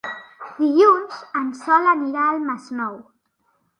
Dilluns en Sol anirà al Masnou.